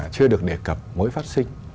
chưa được đề cập mới phát sinh